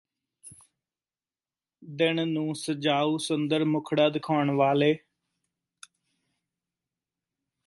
ਦਿਨ ਨੂੰ ਸਜਾਊ ਸੁੰਦਰ ਮੁੱਖੜਾ ਦਿਖਾਉਣ ਵਾਲੇ